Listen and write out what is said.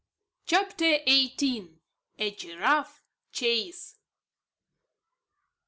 CHAPTER EIGHTEEN. A GIRAFFE CHASE.